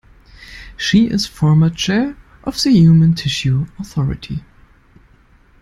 She is former Chair of the Human Tissue Authority.